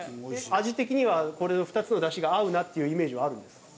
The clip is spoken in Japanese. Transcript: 味的には２つのダシが合うなっていうイメージはあるんですか？